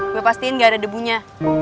gue pastiin gak ada debunya